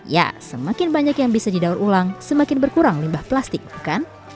ya semakin banyak yang bisa didaur ulang semakin berkurang limbah plastik bukan